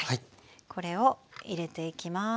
これを入れていきます。